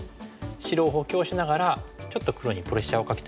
白を補強しながらちょっと黒にプレッシャーをかけてますよね。